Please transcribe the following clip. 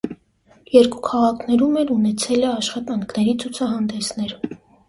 Երկու քաղաքներում էլ ունեցել է աշխատանքների ցուցահանդեսներ։